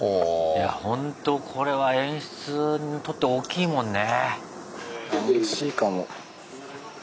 いやほんとこれは演出にとって大きいもんね。